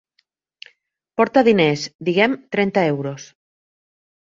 Porta diners, diguem trenta euros.